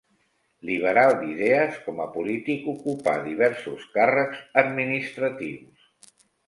Liberal d'idees, com a polític ocupà diversos càrrecs administratius.